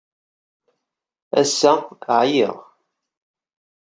Ass-a, ɛyiɣ.